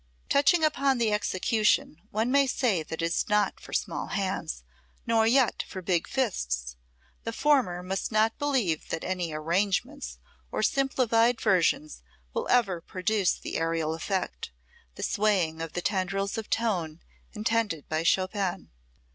Touching upon the execution, one may say that it is not for small hands, nor yet for big fists. The former must not believe that any "arrangements" or simplified versions will ever produce the aerial effect, the swaying of the tendrils of tone, intended by Chopin.